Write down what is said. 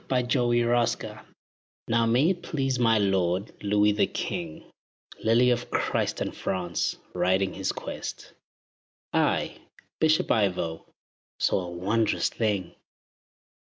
IVO OF CHARTRES Now may it please my lord, Louis the king, Lily of Christ and France! riding his quest, I, Bishop Ivo, saw a wondrous thing.